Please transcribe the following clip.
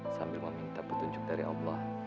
sambil meminta petunjuk dari allah